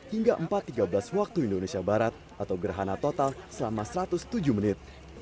hingga empat tiga belas waktu indonesia barat atau gerhana total selama satu ratus tujuh menit